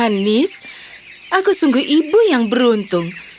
anis aku sungguh ibu yang beruntung